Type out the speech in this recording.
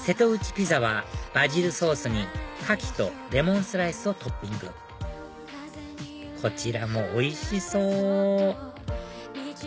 ピザはバジルソースにカキとレモンスライスをトッピングこちらもおいしそう！